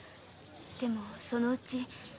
でもそのうち。